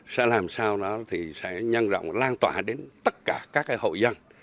sẽ làm sao đó thì sẽ nhân rộng lan tỏa đến tất cả các hộ dân